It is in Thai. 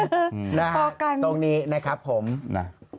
ตรงนี้นะครับผมครับมึงป่อกันนะครับป่อกัน